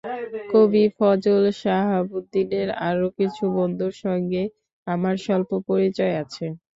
কবি ফজল শাহাবুদ্দীনের আরও কিছু বন্ধুর সঙ্গে আমার স্বল্প পরিচয় আছে।